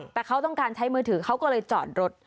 แต่เขาต้องการใช้มือถือเขาก็เลยจอดรถ